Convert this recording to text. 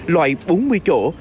loại bốn mươi chỗ